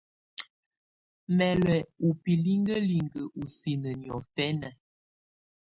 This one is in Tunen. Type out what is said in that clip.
Mɛ́ lɛ́ ù bilikǝ́likǝ́ ɔ́ sinǝ niɔ̀fɛna.